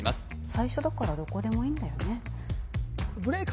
最初だからどこでもいいんだよね